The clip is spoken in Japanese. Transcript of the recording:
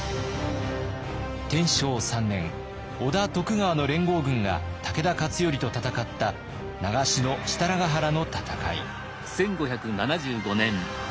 天正３年織田徳川の連合軍が武田勝頼と戦った長篠・設楽原の戦い。